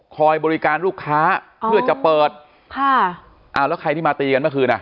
คอยบริการลูกค้าเพื่อจะเปิดค่ะอ้าวแล้วใครที่มาตีกันเมื่อคืนอ่ะ